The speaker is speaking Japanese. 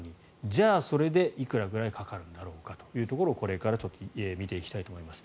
じゃあ、それでいくらぐらいかかるんだろうかというところをこれからちょっと見ていきたいと思います。